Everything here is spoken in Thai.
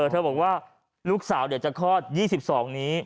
เธอบอกว่าลูกสาวเดี๋ยวจะคลอด๒๒นี้